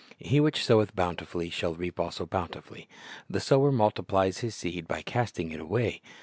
"He which soweth bounti fully shall reap also bountifully." The sower multiplies his seed by casting it away.